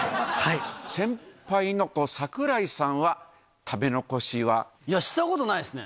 先輩の櫻井さんは、食べ残しいや、したことないですね。